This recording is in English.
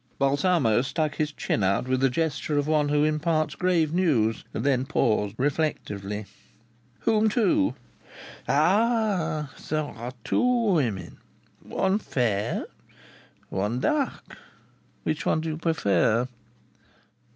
Balsamo stuck his chin out with the gesture of one who imparts grave news; then paused reflectively. "Whom to?" "Ah! There are two women. One fair, one dark. Which one do you prefer?"